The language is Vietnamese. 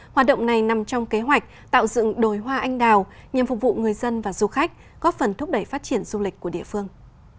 hoạt động này nằm trong kế hoạch tạo dựng đồi hoa anh đào nhằm phục vụ người dân và du khách góp phần thúc đẩy phát triển du lịch của địa phương